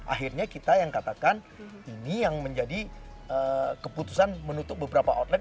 akhirnya kita yang katakan ini yang menjadi keputusan menutup beberapa outlet